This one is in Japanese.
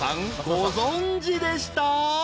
ご存じでした？］